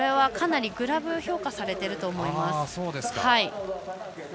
かなりグラブが評価されていると思います。